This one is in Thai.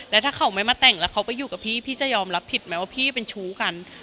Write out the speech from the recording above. แล้วถ้าเขาไม่มาแต่งแล้วเขาไปอยู่กับพี่พี่จะยอมรับผิดไหมว่าพี่เป็นชู้กัน